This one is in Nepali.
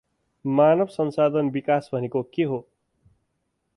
मानव संसाधन विकास भनेको के हो?